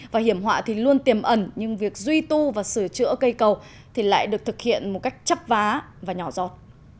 và hiểm họa thì luôn tiềm ẩn nhưng việc duy tu và sửa chữa cây cầu thì lại được thực hiện một cách chấp vá và nhỏ giọt